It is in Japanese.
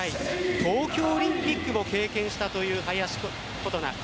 東京オリンピックも経験したという林琴奈。